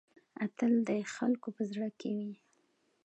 اتل د خلکو په زړه کې وي